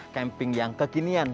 camping yang kekinian